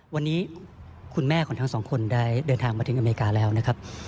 วันนี้คุณแม่ของทั้งสองคนได้เดินทางมาถึงอเมริกาแล้วนะครับ